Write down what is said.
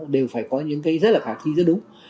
đều phải có những cái rất là khả thi rất đúng